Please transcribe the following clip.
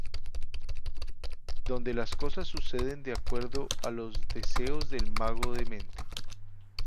Donde las cosas suceden de acuerdo a los deseos del mago demente.